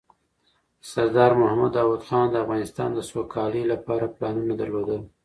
سردار محمد داود خان د افغانستان د سوکالۍ لپاره پلانونه درلودل.